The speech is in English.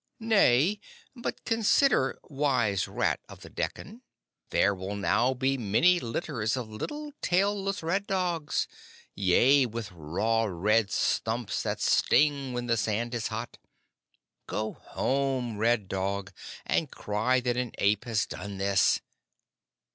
"Nay, but consider, wise rat of the Dekkan. There will now be many litters of little tailless red dogs, yea, with raw red stumps that sting when the sand is hot. Go home, Red Dog, and cry that an ape has done this.